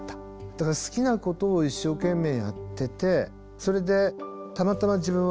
だから好きなことを一生懸命やっててそれでたまたま自分は作曲家になれた。